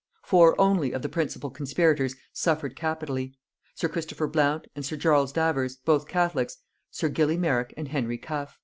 Four only of the principal conspirators suffered capitally; sir Christopher Blount and sir Charles Davers, both catholics, sir Gilly Merrick and Henry Cuff.